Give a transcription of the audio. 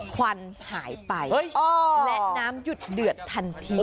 ควันหายไปและน้ำหยุดเดือดทันที